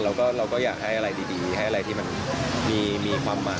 เราก็อยากให้อะไรดีให้อะไรที่มันมีความหมาย